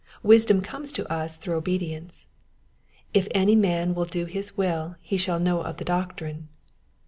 Wisdom comes to us through obedience: *'If any man will do his will he shall know of the doctrine."